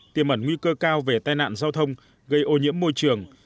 tiềm ẩn nguy cơ cao về tai nạn giao thông gây ô nhiễm môi trường